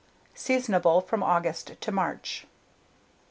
Seasonable from August to March.